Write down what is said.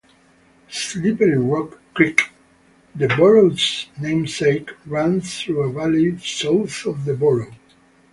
Slippery Rock Creek, the borough's namesake, runs through a valley south of the borough.